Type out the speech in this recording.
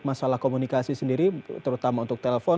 masalah komunikasi sendiri terutama untuk telpon